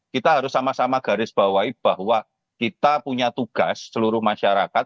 kita harus sama sama garis bawahi bahwa kita punya tugas seluruh masyarakat